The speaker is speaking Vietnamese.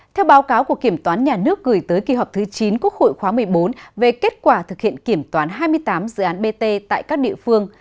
theo báo cáo của kiểm toán nhà nước gửi tới kỳ họp thứ chín quốc hội khóa một mươi bốn về kết quả thực hiện kiểm toán hai mươi tám dự án bt tại các địa phương